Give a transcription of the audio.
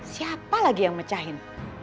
siapa lagi yang mecahin